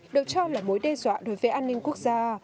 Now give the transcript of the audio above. được cho là mối đe dọa đối với an ninh quốc gia